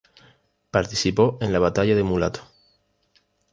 Participó en la Batalla de Mulato.